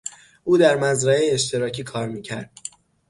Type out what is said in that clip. او در مزرعهی اشتراکی کار میکرد.